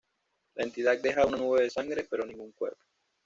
La entidad deja una nube de sangre, pero ningún cuerpo.